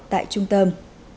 tại trung tâm